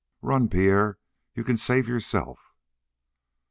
"Run, Pierre you can save yourself."